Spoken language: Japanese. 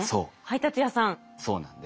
配達屋さん。